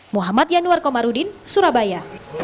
muhammad yanuar komarudin surabaya